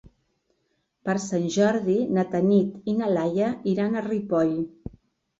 Per Sant Jordi na Tanit i na Laia iran a Ripoll.